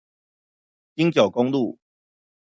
金九公路